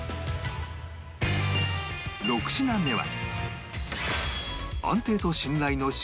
６品目は